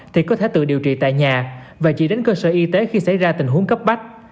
thì có thể tự điều trị tại nhà và chỉ đến cơ sở y tế khi xảy ra tình huống cấp bách